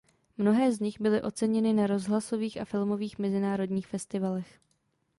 Mnohé z nich byly oceněny na rozhlasových a filmových mezinárodních festivalech.